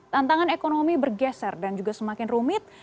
tantangan ekonomi bergeser dan juga semakin rumit